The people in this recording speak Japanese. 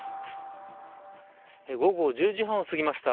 午後１０時半を過ぎました。